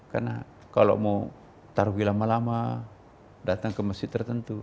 karena kalau mau taruhi lama lama datang ke masjid tertentu